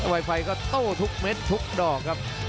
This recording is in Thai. ไวไฟก็โต้ทุกเม็ดทุกดอกครับ